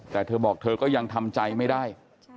แต่เธอบอกเธอก็ยังทำใจไม่ได้